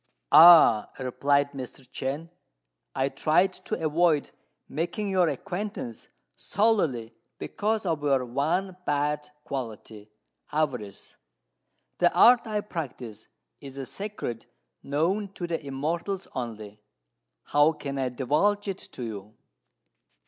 "Ah," replied Mr. Chên, "I tried to avoid making your acquaintance solely because of your one bad quality avarice. The art I practise is a secret known to the Immortals only: how can I divulge it to you?"